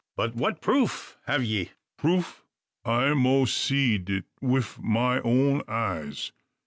"But what proof have ye?" "Proof! I moas seed it wif ma own eyes.